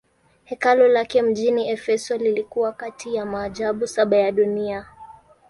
Hekalu lake mjini Efeso lilikuwa kati ya maajabu saba ya dunia.